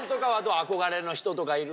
憧れの人とかいる？